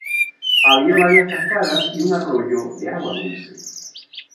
Había varias cascadas y un arroyo de agua dulce.